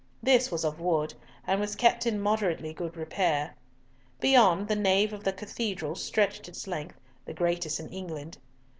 This was of wood, and was kept in moderately good repair. Beyond, the nave of the Cathedral stretched its length, the greatest in England.